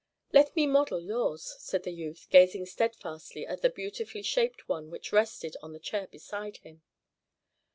"Let me model yours," said the youth, gazing steadfastly at the beautifully shaped one which rested on the chair beside him.